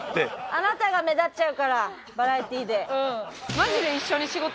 あなたが目立っちゃうからバラエティで。